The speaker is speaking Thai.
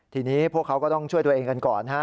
ทีนี้พวกเขาก็ต้องช่วยตัวเองกันก่อนนะฮะ